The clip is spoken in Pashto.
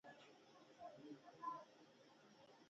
د میرمنو کار د کار مهارتونه ورښيي.